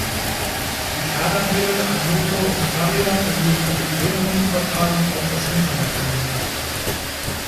Die Kardanwelle an Motor- und Fahrrädern wird für die Drehmoment-Übertragung auf das Hinterrad verwendet.